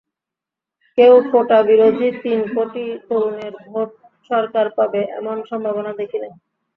কিন্তু কোটাবিরোধী তিন কোটি তরুণের ভোট সরকার পাবে, এমন সম্ভাবনা দেখি না।